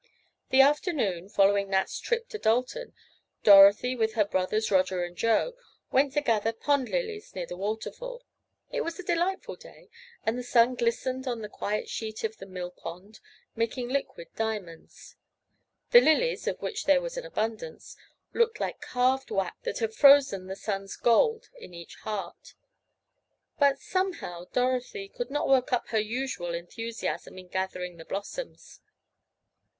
The afternoon, following Nat's trip to Dalton, Dorothy, with her brothers, Roger and Joe, went to gather pond lilies near the waterfall. It was a delightful day, and the sun glistened on the quiet sheet of the mill pond, making liquid diamonds. The lilies, of which there was an abundance, looked like carved wax that had frozen the sun's gold in each heart. But, somehow, Dorothy, could not work up her usual enthusiasm in gathering the blossoms.